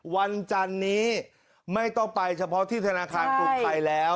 วันจันนี้ไม่ต้องไปเฉพาะที่ธนาคารกรุงไทยแล้ว